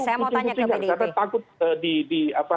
saya mau tanya ke bdp